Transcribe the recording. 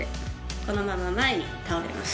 このまま前に倒れます。